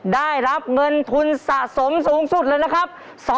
ได้รับเงินทุนสะสมสูงสุดเลยนะครับ